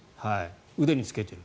腕に着けている。